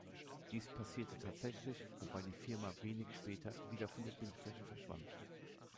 Dies passierte tatsächlich, wobei die Firma wenig später wieder von der Bildfläche verschwand.